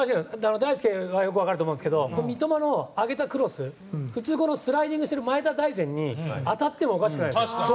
大輔がよく分かると思うんですが三笘が挙げたクロス普通スライディングしている前田大然に当たってもおかしくないんです。